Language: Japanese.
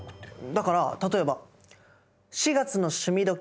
だから例えば「４月の趣味どきっ！」。